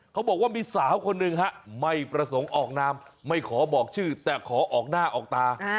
เขาบอกว่ามีสาวคนหนึ่งฮะไม่ประสงค์ออกนามไม่ขอบอกชื่อแต่ขอออกหน้าออกตา